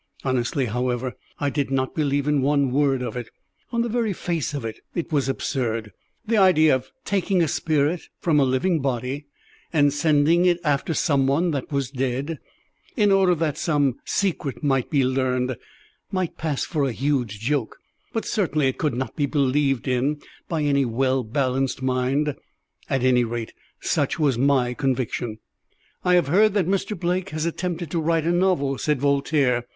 Honestly, however, I did not believe in one word of it. On the very face of it, it was absurd. The idea of taking a spirit from a living body and sending it after some one that was dead, in order that some secret might be learned, might pass for a huge joke; but certainly it could not be believed in by any well balanced mind. At any rate, such was my conviction. "I have heard that Mr. Blake has attempted to write a novel," said Voltaire.